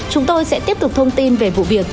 chúng tôi sẽ tiếp tục thông tin về vụ việc